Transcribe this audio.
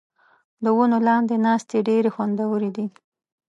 د ونو لاندې ناستې ډېرې خوندورې دي.